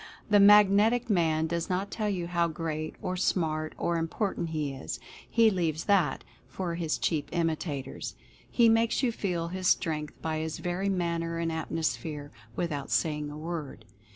The Magnetic Man does not tell you how great, or smart, or important he is — he leaves that for his cheap imitators ; he makes you feel his strength by his very manner and atmosphere, without saying a word.